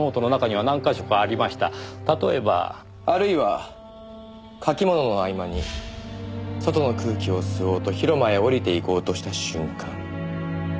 「あるいは書きものの合間に外の空気を吸おうと広間へ降りて行こうとした瞬間」。